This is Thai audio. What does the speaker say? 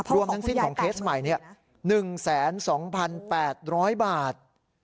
รวมทั้งสิ้นของเคสใหม่๑แสน๒พันแปดร้อยบาท